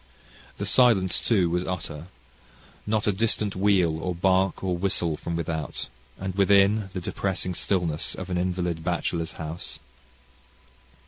The silence, too, was utter: not a distant wheel, or bark, or whistle from without; and within the depressing stillness of an invalid bachelor's house.